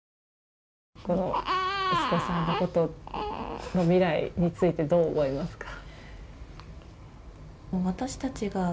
息子さんの未来についてどう思いますか？